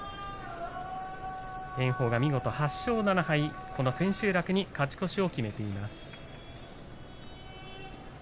炎鵬、見事８勝７敗千秋楽に勝ち越しを決めました。